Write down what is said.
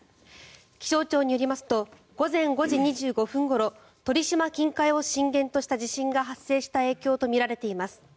気象庁によりますと午前５時２５分ごろ鳥島近海を震源とした地震が発生した影響とみられています。